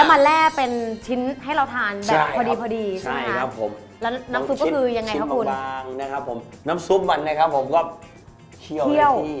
แล้วมาแลเป็นชิ้นให้เราทานแบบพอดี